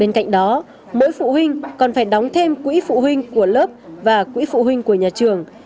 bên cạnh đó mỗi phụ huynh còn phải đóng thêm quỹ phụ huynh của lớp và quỹ phụ huynh của nhà trường